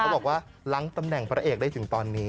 บอกว่าล้างตำแหน่งพระเอกได้ถึงตอนนี้